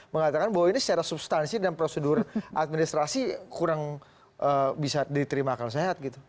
mengatakan bahwa ini secara substansi dan prosedur administrasi kurang bisa diterima akal sehat gitu